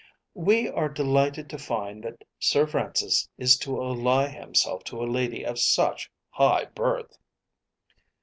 We are delighted to find that Sir Francis is to ally himself to a lady of such high birth."